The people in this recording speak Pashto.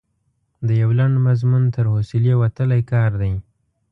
د یو لنډ مضمون تر حوصلې وتلی کار دی.